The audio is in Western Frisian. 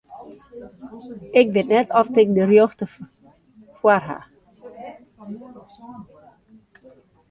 Ik wit net oft ik de rjochte foar haw.